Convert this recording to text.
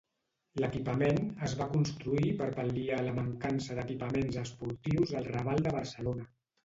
L'equipament es va construir per pal·liar la mancança d'equipaments esportius al Raval de Barcelona.